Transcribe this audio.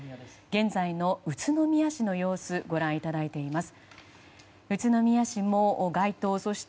現在の宇都宮市の様子をご覧いただいています。